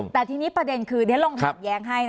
แต่ทีนี้ประเด็นคือเดี๋ยวลองถามแย้งให้